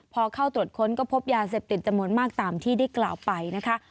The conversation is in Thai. พอเข้าตรวจค้นก็พบยาเสพติดจำนวนมากตามที่ได้กล่าวไปนะคะ